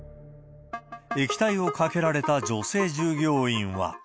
液体をかけられた女性従業員は。